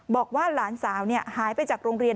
บอกว่าหลานสาวหายไปจากโรงเรียน